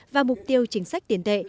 và mục tiêu chính sách tiền tệ